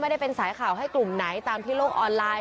ได้เป็นสายข่าวให้กลุ่มไหนตามที่โลกออนไลน์